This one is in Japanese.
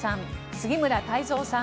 杉村太蔵さん